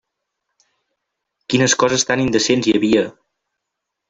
Quines coses tan indecents hi havia!